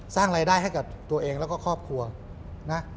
สร้างรายได้ให้กับตัวเองแล้วก็ครอบครัวนะ